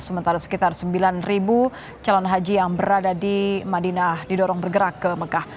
sementara sekitar sembilan calon haji yang berada di madinah didorong bergerak ke mekah